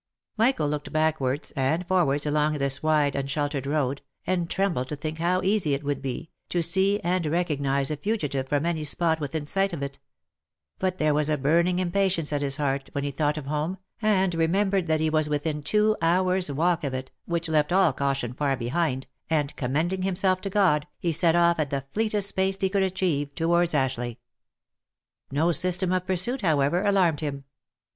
Michael looked backwards and forwards along this wide unsheltered road, and trembled to think how easy it would be, to see and recognise a fugi tive from any spot within sight of it ; but there was a burning impa tience at his heart when he thought of home, and remembered that he was within two hours walk of it, which left all caution far behind, and OF MICHAEL ARMSTRONG. 299 commending himself to God, he set off at the fleetest pace he could achieve, towards Ashleigh. No symptom of pursuit, however, alarmed him.